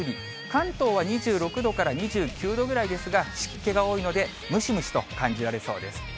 関東は２６度から２９度くらいですが、湿気が多いので、ムシムシと感じられそうです。